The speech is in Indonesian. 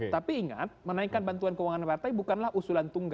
tapi ingat menaikkan bantuan keuangan partai bukanlah usulan tunggal